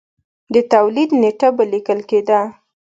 د تولید نېټه به لیکل کېده